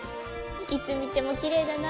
いつみてもきれいだな。